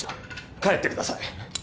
帰ってください